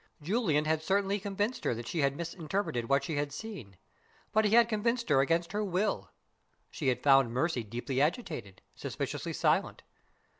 Julian had certainly convinced her that she had misinterpreted what she had seen; but he had convinced her against her will. She had found Mercy deeply agitated; suspiciously silent.